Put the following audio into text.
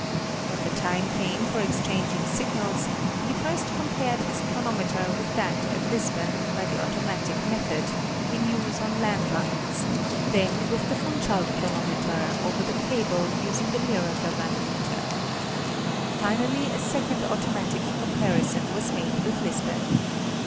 When the time came for exchanging signals, he first compared his chronometer with that at Lisbon, by the auto VOL. II. 2 18 National Geographie Magazine. matic method, in use on land lines, then with the Funchal chro nometer over the cable using the mirror galvanometer. Finally a second automatic comparison was made with Lisbon.